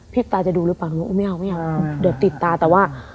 ตาจะดูหรือเปล่าหนูก็ไม่เอาไม่เอาเดี๋ยวติดตาแต่ว่า